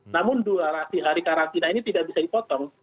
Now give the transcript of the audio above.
namun durasi hari karantina ini tidak bisa dipotong